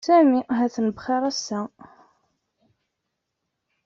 Sami ha-t-an bxir ass-a.